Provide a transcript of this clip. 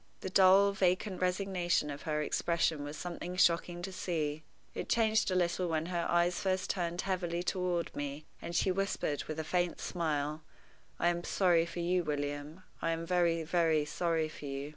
The dull, vacant resignation of her expression was something shocking to see. It changed a little when her eyes first turned heavily toward me, and she whispered, with a faint smile, "I am sorry for you, William I am very, very sorry for you."